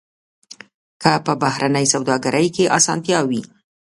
که په بهرنۍ سوداګرۍ کې اسانتیا وي.